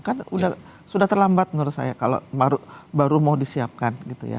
kan sudah terlambat menurut saya kalau baru mau disiapkan gitu ya